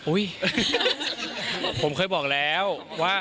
อุ้ยผมเคยบอกแล้วว่า